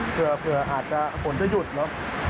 เผื่ออาจจะฝนจะหยุดเนอะ